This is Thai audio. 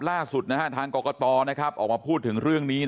ล่าสุดทางกรกตออกมาพูดถึงเรื่องนี้